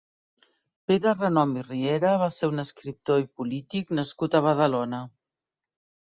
Pere Renom i Riera va ser un escriptor i polític nascut a Badalona.